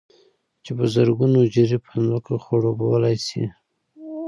چې په زرگونو جرېبه ځمكه خړوبولى شي،